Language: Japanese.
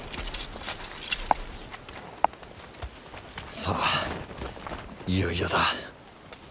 さあいよいよだ。